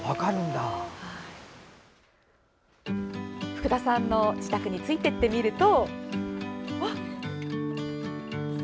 福田さんの自宅についていってみると。